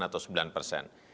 delapan atau sembilan persen